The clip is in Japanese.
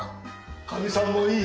カミさんもいい？